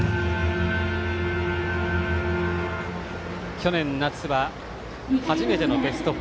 去年夏は初めてのベスト４。